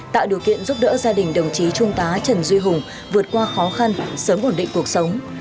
tạo điều kiện giúp đỡ gia đình đồng chí trung tá trần duy hùng vượt qua khó khăn sớm ổn định cuộc sống